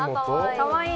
かわいい。